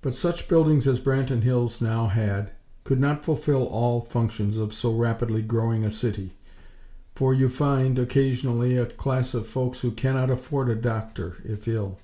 But such buildings as Branton Hills now had could not fulfill all functions of so rapidly growing a city; for you find, occasionally, a class of folks who cannot afford a doctor, if ill.